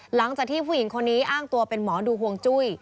หลังจากที่ผู้หญิงคนนี้อ้างตัวเป็นหมอดูห่วงจุ้ย